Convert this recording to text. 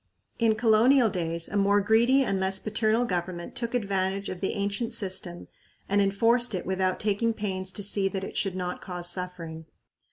In colonial days a more greedy and less paternal government took advantage of the ancient system and enforced it without taking pains to see that it should not cause suffering.